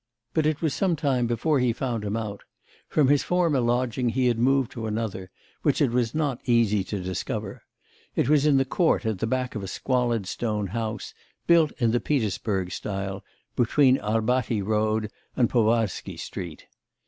But it was some time before he found him out; from his former lodging he had moved to another, which it was not easy to discover; it was in the court at the back of a squalid stone house, built in the Petersburg style, between Arbaty Road and Povarsky Street.